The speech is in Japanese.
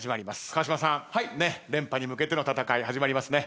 川島さん連覇に向けての戦い始まりますね。